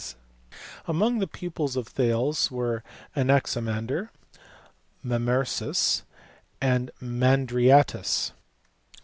s Among the pupils of Thale; were Anaximander, Mamercus, and Mandryatus.